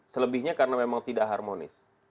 selebihnya karena memang tidak harmonis